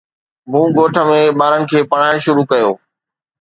مون ڳوٺ ۾ ٻارن کي پڙهائڻ شروع ڪيو